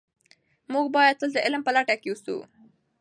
موږ باید تل د علم په لټه کې سو.